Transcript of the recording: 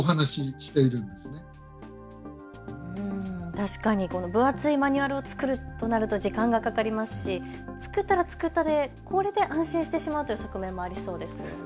確かに分厚いマニュアルを作るとなると時間がかかりますし、作ったら作ったでこれで安心してしまうという側面もありそうですよね。